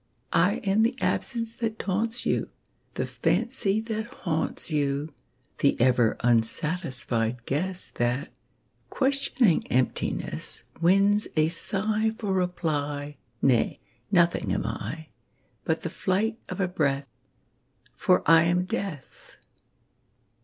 I am the absence that taunts you, The fancy that haunts you; The ever unsatisfied guess That, questioning emptiness, Wins a sigh for reply. Nay; nothing am I, But the flight of a breath For I am Death!